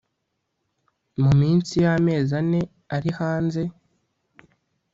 muminsi yamezi ane ari hanze